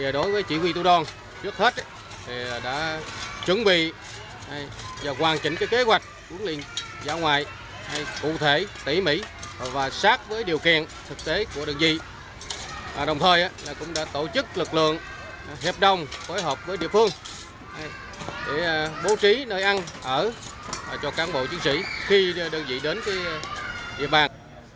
đồng thời cũng đã tổ chức lực lượng hiệp đồng phối hợp với địa phương để bố trí nơi ăn ở cho cán bộ chiến sĩ khi đơn vị đến địa bàn